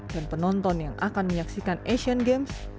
dan penonton yang akan menyaksikan asian games